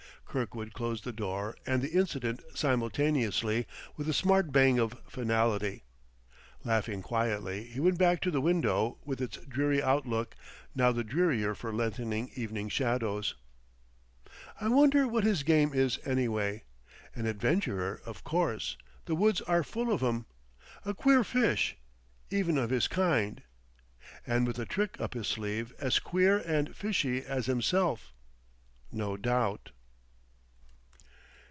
Kirkwood closed the door and the incident simultaneously, with a smart bang of finality. Laughing quietly he went back to the window with its dreary outlook, now the drearier for lengthening evening shadows. "I wonder what his game is, anyway. An adventurer, of course; the woods are full of 'em. A queer fish, even of his kind! And with a trick up his sleeve as queer and fishy as himself, no doubt!"